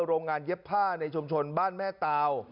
โรงงานเย็บผ้าในชุมชนบ้านแม่ตาว